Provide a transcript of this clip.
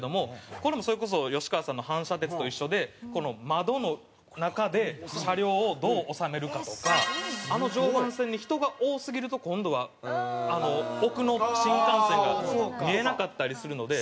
これもそれこそ吉川さんの反射鉄と一緒でこの窓の中で車両をどう収めるかとかあの常磐線に人が多すぎると今度は奥の新幹線が見えなかったりするので。